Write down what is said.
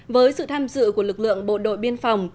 với sự tham dự của lực lượng bộ đội biên phòng